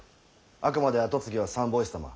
あくまで後継ぎは三法師様。